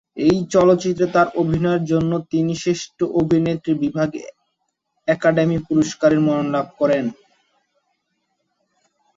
এই চলচ্চিত্রে তার অভিনয়ের জন্য তিনি শ্রেষ্ঠ অভিনেত্রী বিভাগে একাডেমি পুরস্কারের মনোনয়ন লাভ করেন।